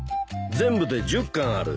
全部で１０巻ある。